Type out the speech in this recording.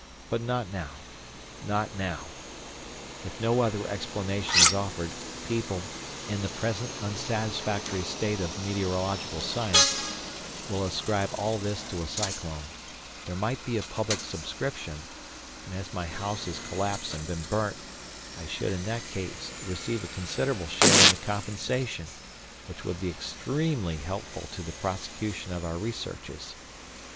But not now—not now. If no other explanation is offered, people, in the present unsatisfactory state of meteorological science, will ascribe all this to a cyclone; there might be a public subscription, and as my house has collapsed and been burnt, I should in that case receive a considerable share in the compensation, which would be extremely helpful to the prosecution of our researches.